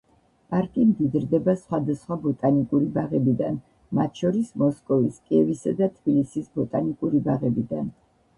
პარკი მდიდრდება სხვადასხვა ბოტანიკური ბაღებიდან, მათ შორის მოსკოვის, კიევისა და თბილისის ბოტანიკური ბაღებიდან.